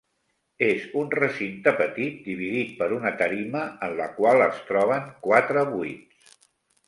És un recinte petit dividit per una tarima en la qual es troben quatre buits.